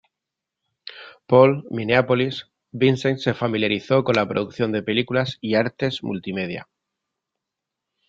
Paul, Minneapolis, Vincent se familiarizó con la producción de películas y artes multimedia.